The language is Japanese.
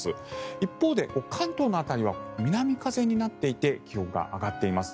一方で関東の辺りは南風になっていて気温が上がっています。